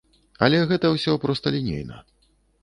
Але гэта ўсё просталінейна.